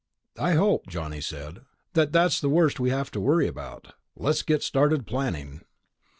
"I hope," Johnny said, "that that's the worst we have to worry about. Let's get started planning."